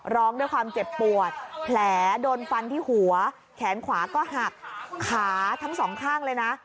ร้องด้วยความเจ็บปวดแผลโดนฟันที่หัวแขนขวาก็หักขาทั้งสองข้างเลยนะ